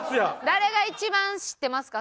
誰が一番知ってますか？